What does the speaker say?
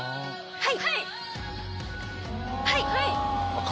はい！